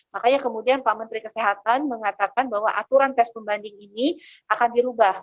makanya kemudian pak menteri kesehatan mengatakan bahwa aturan tes pembanding ini akan dirubah